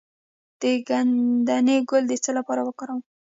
د ګندنه ګل د څه لپاره وکاروم؟